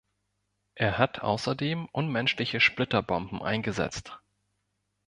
Er hat außerdem unmenschliche Splitterbomben eingesetzt.